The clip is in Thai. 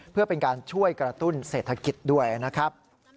เพื่อเป็นการช่วยกระตุ้นเศรษฐกิจด้วยนะครับ